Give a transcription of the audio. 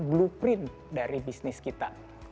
blueprint dari bisnis kita